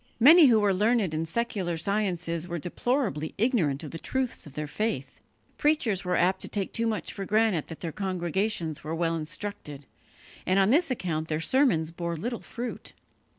Many who were learned in secular sciences were deplorably ignorant of the truths of their faith. Preachers were apt to take too much for granted that their congregations were well instructed, and on this account their sermons bore little fruit.